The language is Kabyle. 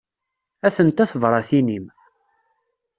Atent-a tebratin-im.